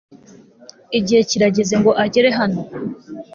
igihe kirageze ngo agere hano